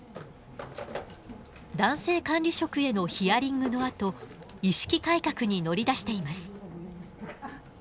男性管理職へのヒアリングのあと意識改革に乗り出しています。